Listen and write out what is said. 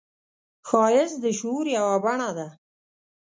ښایست د شعور یوه بڼه ده